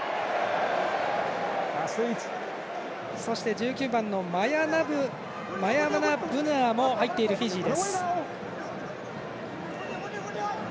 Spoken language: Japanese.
１９番、マヤナブヌアも入っているフィジー。